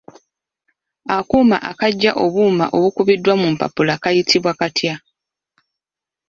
Akuuma akaggya obuuma obukubiddwa mu mpapula kayitibwa katya?